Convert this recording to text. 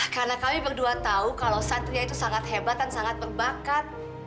karena kami berdua tahu kalau satria itu sangat hebat dan sangat berbakat